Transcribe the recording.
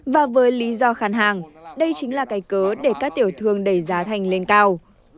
và với lý do khán hàng đây chính là cái cớ để các tiểu thương đẩy giá thành lên cao